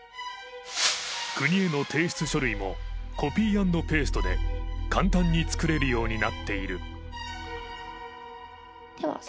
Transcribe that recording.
国への提出書類もコピー＆ペーストで簡単に作れるようになっている。